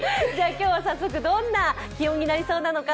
今日は早速、どんな気温になるでしょうか。